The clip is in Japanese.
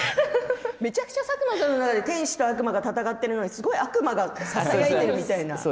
めちゃくちゃ佐久間さんの中で天使と悪魔が戦っているのに悪魔のささやきみたいな。